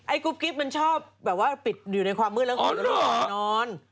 ไอ้กุ๊บกิ๊บมันชอบแบบว่าปิดอยู่ในความมืดแล้วเขาลงไปนอน